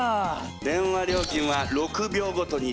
電話料金は６秒ごとに１０円。